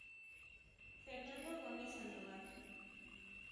Fernando Gómez Sandoval.